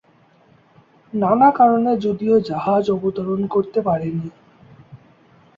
নানা কারণে যদিও জাহাজ অবতরণ করতে পারেনি।